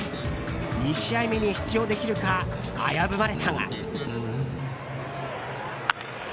２試合目に出場できるか危ぶまれたが。